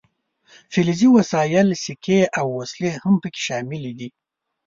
فلزي وسایل سیکې او وسلې هم پکې شاملې دي.